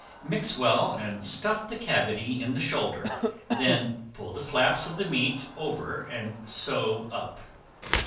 Mix well and stuff the cavity in the shoulder, then pull the flaps of the meat over and sew up.